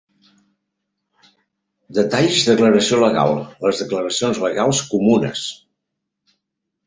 Detalls declaració legal: les declaracions legals comunes.